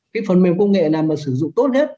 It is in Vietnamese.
cái phần mềm công nghệ nào mà sử dụng tốt hết